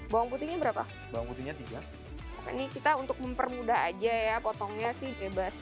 bawang putihnya berapa bawang putihnya tiga ini kita untuk mempermudah aja ya potongnya sih bebas